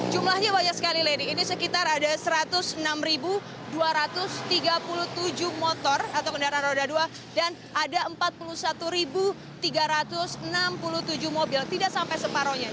jumlahnya banyak sekali lady ini sekitar ada satu ratus enam dua ratus tiga puluh tujuh motor atau kendaraan roda dua dan ada empat puluh satu tiga ratus enam puluh tujuh mobil tidak sampai separohnya